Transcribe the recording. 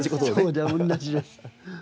そう同じです。